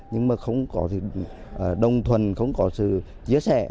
nhưng mà không có đồng thuần không có sự chia sẻ